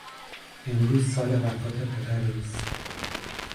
امروز سال وفات پدر اوست.